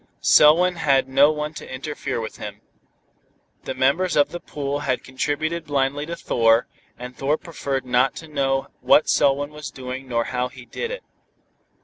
Selwyn had no one to interfere with him. The members of the pool had contributed blindly to Thor, and Thor preferred not to know what Selwyn was doing nor how he did it.